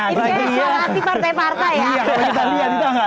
kayaknya sama hati partai partai ya